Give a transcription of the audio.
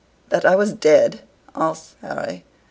." "That I was dead!" asks Harry.